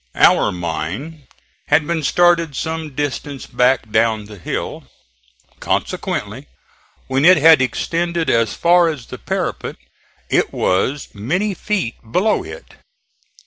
Our mine had been started some distance back down the hill; consequently when it had extended as far as the parapet it was many feet below it.